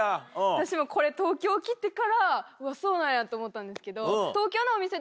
私もこれ東京来てからそうなんやって思ったんですけど。